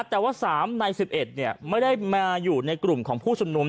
แต่ว่า๓ใน๑๑ไม่ได้มาอยู่ในกลุ่มของผู้ชุมนุม